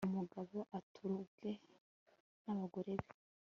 umugabo atura ubwe n'abagore be